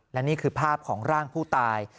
และนี่คือภาพของร่างผู้ตาย